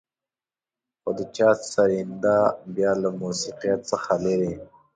خو د چا سرېنده بيا له موسيقيت څخه لېرې.